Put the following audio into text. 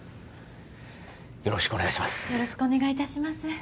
よろしくお願いします